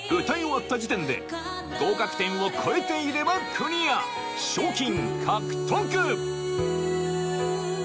歌い終わった時点で合格点を超えていればクリア賞金獲得！